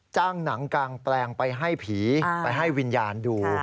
หนังกางแปลงไปให้ผีไปให้วิญญาณดู